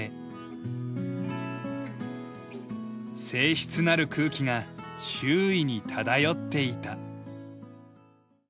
静謐なる空気が周囲に漂っていた。